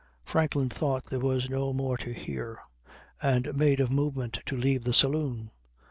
Franklin thought there was no more to hear, and made a movement to leave the saloon.